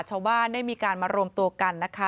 ชาวบ้านได้มีการมารวมตัวกันนะคะ